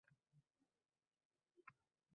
Lekin hech kim shoshmaydi